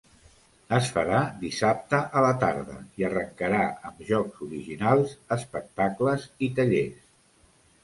Es farà dissabte a la tarda i arrencarà amb jocs originals, espectacles i tallers.